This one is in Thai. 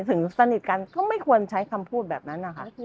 ถึงสนิทกันก็ไม่ควรใช้คำพูดแบบนั้นนะคะ